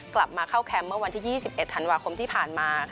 กลับมาเข้าแคมป์เมื่อวันที่๒๑ธันวาคมที่ผ่านมา